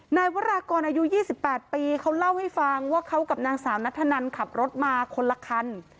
นายวรากรอายุ๒๘ปีเขาเล่าให้ฟังว่าเขากับนางสาวนัทธนันขับรถมาคนละคัน